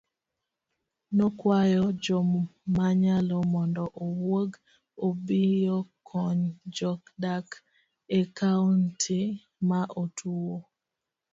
nokwayo jokmanyalo mondo owuog obiokony jodak ekaonti ma otuwo